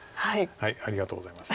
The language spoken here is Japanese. ありがとうございます。